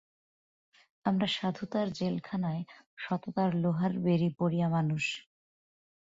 আমরা সাধুতার জেলখানায় সততার লোহার বেড়ি পরিয়া মানুষ।